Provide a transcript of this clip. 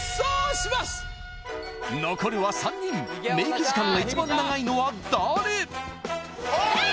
残るは３人メイク時間が一番長いのは誰！？